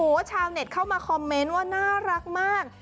แล้วก็เอาเน็ตเข้ามาคอมเมนต์ว่าน่ารักมาก